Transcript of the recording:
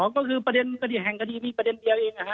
ก็คือประเด็นคดีแห่งคดีมีประเด็นเดียวเอง